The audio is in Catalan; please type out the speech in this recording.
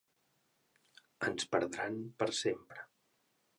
Ens perdran per sempre.